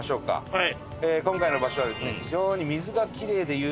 はい。